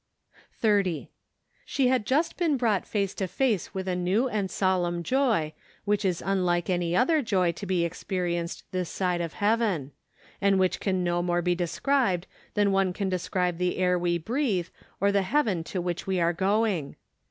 122 OCTOBER. 30. " She had just been brought face to face with a new and solemn joy, which is unlike any other joy to be experienced this side of Heaven ; and which can no more be described than one can describe the air we breathe, or the Heaven to which we are going.